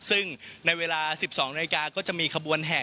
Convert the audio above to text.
ซึ่งในเวลา๑๒๐๐นจะมีขบวนแห่